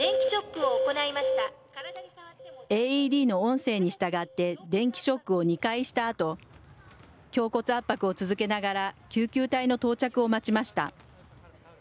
ＡＥＤの音声に従って電気ショックを２回したあと胸骨圧迫を続けながら救急隊の到着を待ちました。